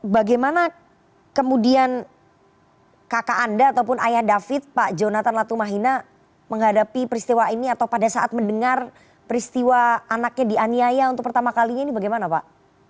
bagaimana kemudian kakak anda ataupun ayah david pak jonathan latumahina menghadapi peristiwa ini atau pada saat mendengar peristiwa anaknya dianiaya untuk pertama kalinya ini bagaimana pak